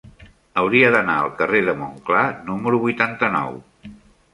Hauria d'anar al carrer de Montclar número vuitanta-nou.